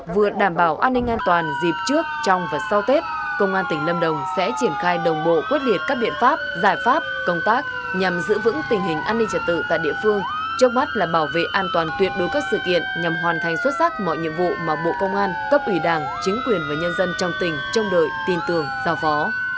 vừa đảm bảo an ninh an toàn dịp trước trong và sau tết công an tỉnh lâm đồng sẽ triển khai đồng bộ quyết liệt các biện pháp giải pháp công tác nhằm giữ vững tình hình an ninh trật tự tại địa phương trước mắt là bảo vệ an toàn tuyệt đối các sự kiện nhằm hoàn thành xuất sắc mọi nhiệm vụ mà bộ công an cấp ủy đảng chính quyền và nhân dân trong tỉnh trông đợi tin tưởng giao phó